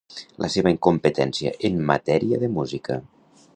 La seva incompetència en matèria de música.